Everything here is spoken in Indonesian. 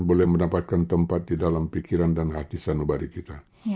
boleh mendapatkan tempat di dalam pikiran dan hati sanubari kita